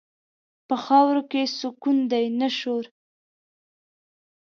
په خاورو کې سکون دی، نه شور.